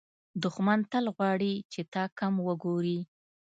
دښمن تل غواړي چې تا کم وګوري